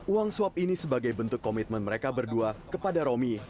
uang suap ini sebagai bentuk komitmen mereka berdua kepada romi